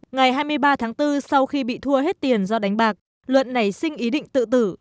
ngày hai mươi ba tháng bốn sau khi bị thua hết tiền do đánh bạc luận nảy sinh ý định tự tử